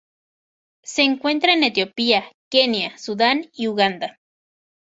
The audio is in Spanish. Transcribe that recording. Se encuentra en Etiopía, Kenia, Sudán y Uganda.